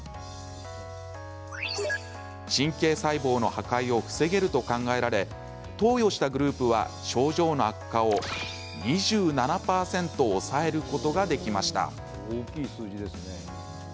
神経細胞の破壊を防げると考えられ投与したグループは症状の悪化を２７％抑えることができました。